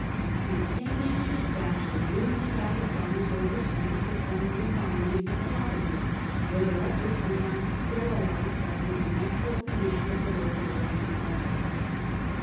He intended to despatch the ruined Italian farmers over seas, to form new colonies in the provinces, where their efforts would not be sterilised by the unnatural condition of the local Eoman market.